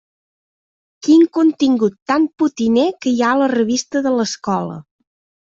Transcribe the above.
Quin contingut tan potiner que hi ha a la revista de l'escola!